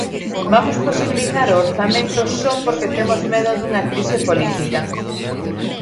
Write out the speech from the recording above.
Vamos posibilitar o Orzamento só porque temos medo dunha crise política?